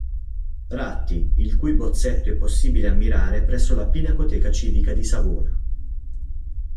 Ratti, il cui bozzetto è possibile ammirare presso la Pinacoteca Civica di Savona.